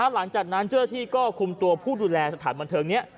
หลังจากนั้นเจ้าที่ก็คุมตัวผู้ดูแลสถานบันเทิงนี้